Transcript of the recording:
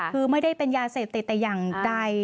คือไม่ได้เป็นยาเสพติดแต่อย่างใด